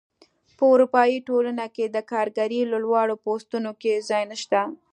په اروپايي ټولنه کې د کارګرۍ لوړو پوستونو کې ځای نشته.